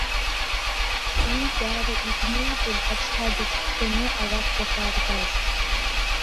Уи даара игәнылгон аҽҳәа дыҽҳәганы арахь дахьааргаз.